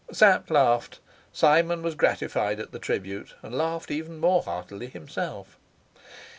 Sapt laughed; Simon was gratified at the tribute, and laughed even more heartily himself.